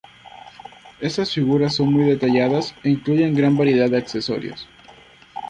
Estas figuras son muy detalladas e incluyen gran variedad de accesorios.